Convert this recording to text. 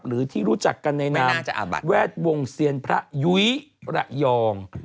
หรือที่รู้จักกันในนามแวดวงเซียนพระยุ้ยระยอง